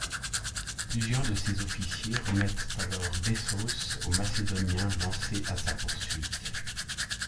Plusieurs de ses officiers remettent alors Bessos aux Macédoniens lancés à sa poursuite.